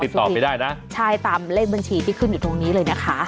ติดต่อไปได้นะใช่ตามเลขบัญชีที่ขึ้นอยู่ตรงนี้เลยนะคะ